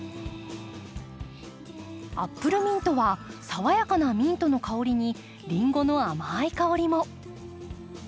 アップルミントは爽やかなミントの香りにリンゴの甘い香りも。